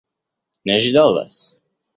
Не ожидал вас.